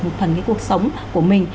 một phần cái cuộc sống của mình